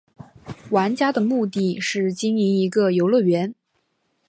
玩家的目的是经营一个游乐园。